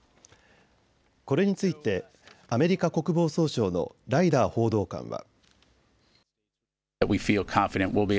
これについてアメリカ国防総省のライダー報道官は。